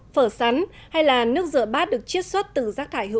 phở sắn hay là nước rửa bát được chiết xuất từ rác thải hữu cơ